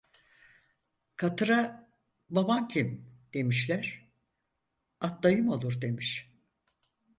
Katıra "baban kim?" demişler, at dayım olur demiş.